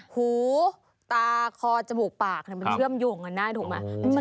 หูตาคอจมูกปากมันเชื่อมอยู่ข้างหน้าถูกไหม